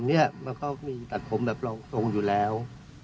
มันก็มีตัดผมแบบรองทรงอยู่แล้ว